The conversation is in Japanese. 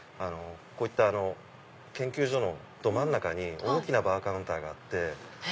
こういった研究所のど真ん中に大きなバーカウンターがあって。